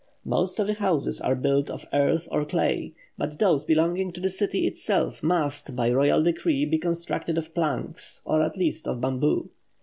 Most of the houses are built of earth or clay; but those belonging to the city itself must, by royal decree, be constructed of planks, or at least of bamboo.